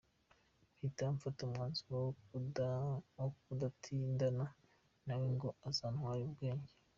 Mpita mfata umwanzuro wo kudatindana nawe ngo atantwarira ubwenge.